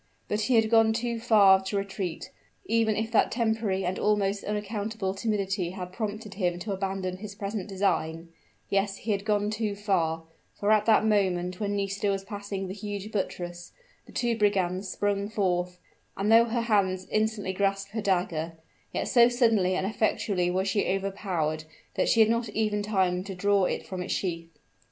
But he had gone too far to retreat even if that temporary and almost unaccountable timidity had prompted him to abandon his present design; yes, he had gone too far for at that moment when Nisida was passing the huge buttress, the two brigands sprung forth: and though her hand instantly grasped her dagger, yet so suddenly and effectually was she overpowered that she had not even time to draw it from its sheath.